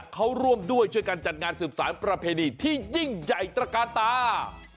เขาร่วมด้วยช่วยกันจัดงานสืบสารประเพณีที่ยิ่งใหญ่ตระกาตา